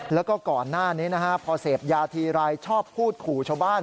แล้วก็ก่อนหน้านี้นะฮะพอเสพยาทีไรชอบพูดขู่ชาวบ้าน